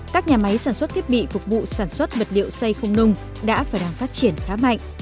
các nhà máy sản xuất thiết bị phục vụ sản xuất vật liệu xây không nung đã và đang phát triển khá mạnh